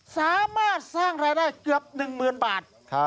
สามารถสร้างรายได้เกือบหนึ่งหมื่นบาท